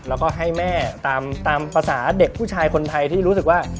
แล้วก็ให้แม่ตามภาษาเด็กผู้ชายคนไทยที่รู้สึกว่า